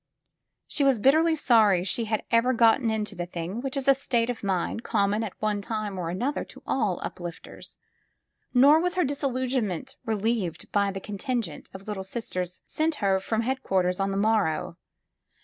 She was bitterly sorry she had ever gone into the thing, which is a state of mind common at one time or another to all uplifters. Nor was her disillusionment re lieved by the contingent of Little Sisters sent her from headquarters on the morrow.